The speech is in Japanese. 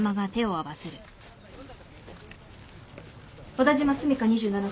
小田島澄香２７歳。